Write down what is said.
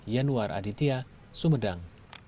yanwar aditya sumedang